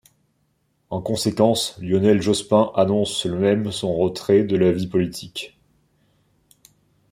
En conséquence, Lionel Jospin annonce le même son retrait de la vie politique.